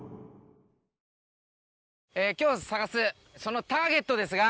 今日探すそのターゲットですが。